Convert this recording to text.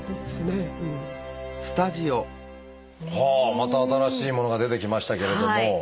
また新しいものが出てきましたけれども。